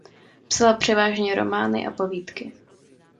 Psala převážně romány a povídky.